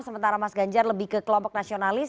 sementara mas ganjar lebih ke kelompok nasionalis